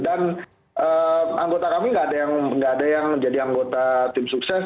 dan anggota kami nggak ada yang menjadi anggota tim sukses